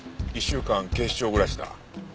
１週間警視庁暮らしだ。